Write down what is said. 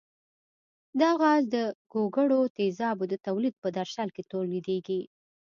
دا غاز د ګوګړو تیزابو د تولید په درشل کې تولیدیږي.